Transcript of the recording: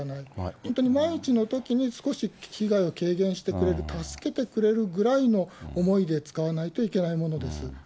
本当に万一のときに少し被害を軽減してくれる、助けてくれるぐらいの思いで使わないといけないものです。